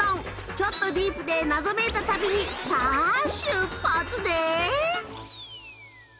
ちょっとディープで謎めいた旅にさあ出発です！